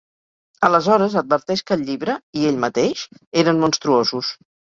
Aleshores, adverteix que el llibre -i ell mateix- eren monstruosos.